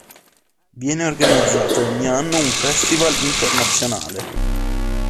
Viene organizzato ogni anno un festival internazionale.